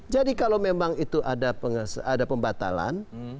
jadi kalau memang itu ada pembatalan